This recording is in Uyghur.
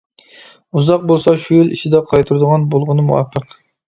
ئۇزاق بولسا شۇ يىل ئىچىدە قايتۇرىدىغان بولغىنى مۇۋاپىق.